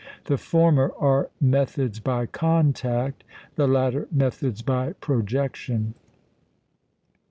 The former are "methods by contact," the latter "methods by projection."